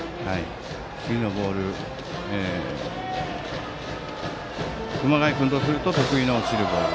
次のボール熊谷君とすると得意な落ちるボール。